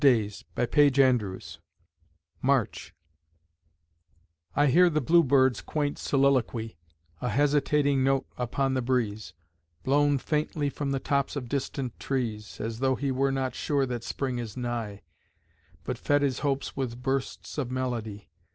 DANIEL BEDINGER LUCAS March I hear the bluebird's quaint soliloquy, A hesitating note upon the breeze, Blown faintly from the tops of distant trees, As though he were not sure that Spring is nigh, But fed his hopes with bursts of melody.